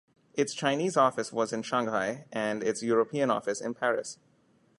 Its Chinese office was in Shanghai and its European office in Paris.